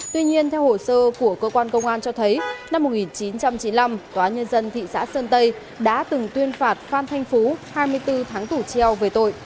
tuy nhiên theo hồ sơ của cơ quan công an cho thấy năm một nghìn chín trăm chín mươi năm tòa nhân dân thị xã sơn tây đã từng tuyên phạt phan thanh phú hai mươi bốn tháng tù treo về tội